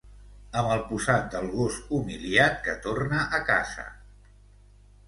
Amb el posat del gos humiliat que torna a casa...